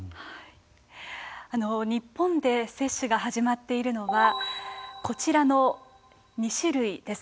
日本で接種が始まっているのはこちらの２種類です。